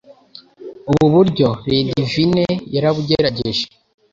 Ubu buryo Lydivine yarabugerageje.